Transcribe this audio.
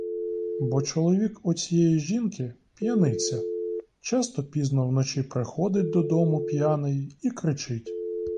Бо чоловік оцієї жінки п'яниця, часто пізно вночі приходить додому п'яний і кричить.